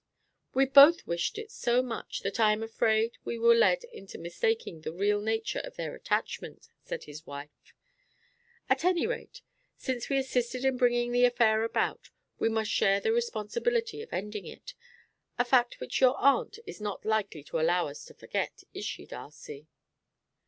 "We both wished it so much that I am afraid we were led into mistaking the real nature of their attachment," said his wife. "At any rate, since we assisted in bringing the affair about, we must share the responsibility of ending it a fact which your aunt is not likely to allow us to forget, is she, Darcy?"